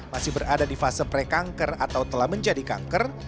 masih berada di fase pre kanker atau telah menjadi kanker